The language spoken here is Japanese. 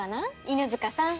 犬塚さん。